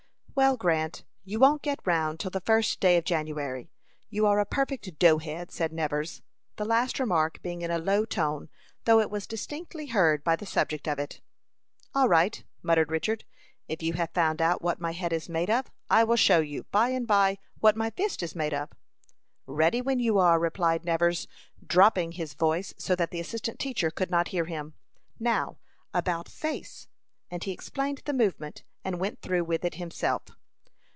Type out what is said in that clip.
"Well, Grant, you won't get round till the first day of January. You are a perfect dough head," said Nevers, the last remark being in a low tone, though it was distinctly heard by the subject of it. "All right," muttered Richard. "If you have found out what my head is made of, I will show you, by and by, what my fist is made of." "Ready when you are," replied Nevers, dropping his voice so that the assistant teacher could not hear him. "Now, about face;" and he explained the movement, and went through with it himself.